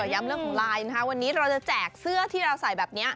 ย้ำเรื่องของไลน์นะคะวันนี้เราจะแจกเสื้อที่เราใส่แบบนี้